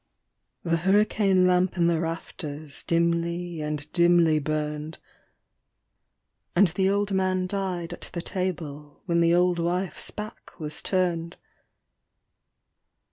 The hurricane lamp in the rafters dimly and dimly burned; And the old man died at the table when the old wife's back was turned.